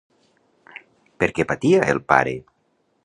Per què patia, el pare?